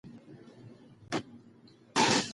موږ به د څېړنې لپاره نوي لاري ولټوو.